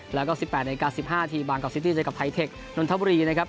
แล้วก็๑๘นาที๑๕นาทีบางกอกซิตี้เจอกับไทเทคนนทบุรีนะครับ